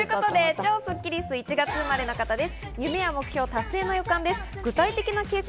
超スッキりすは１月生まれの方です。